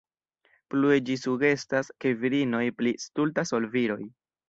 Plue ĝi sugestas, ke virinoj pli stultas ol viroj.